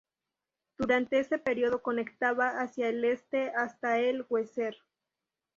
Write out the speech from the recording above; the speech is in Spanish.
Durante ese período conectaba hacia el este hasta el Weser.